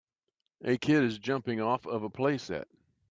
A kid is jumping off of a play set.